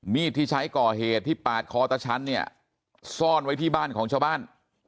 มีดที่ใช้ก่อเหตุที่ปาดคอตะชั้นเนี่ยซ่อนไว้ที่บ้านของชาวบ้าน